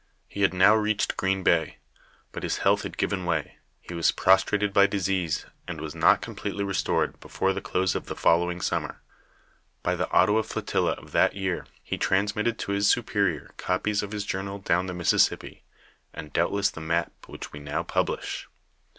* He Imd now reached Green Bay, but his health had given way ; he was prostrated by disease, and was not completely restored before the close of the following summer. By the Ottawa flotilla of that year he transmitted to his superior copies of his journal down the Mississippi, and doubtless the map which we now publish.